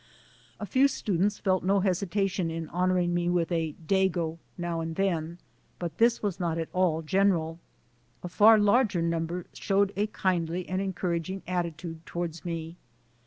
A few students felt no hesitation in honoring me with a "dago" now and then, but this was not at all general. A far larger number showed a kindly and encouraging attitude toward me.